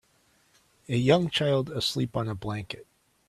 A young child asleep on a blanket.